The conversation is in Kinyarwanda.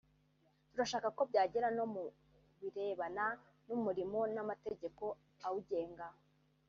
turashaka ko byagera no mu birebana n’umurimo n’amategeko awugenga